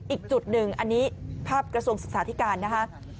อีกจุดหนึ่งอันนี้ภาพกระทรวงศึกษาธิการนะคะ